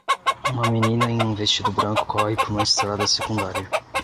Uma menina em um vestido branco corre por uma estrada secundária.